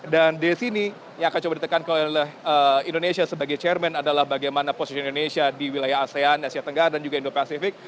dan di sini yang akan coba ditekan oleh indonesia sebagai chairman adalah bagaimana posisi indonesia di wilayah asean asia tenggara dan juga indo pasifik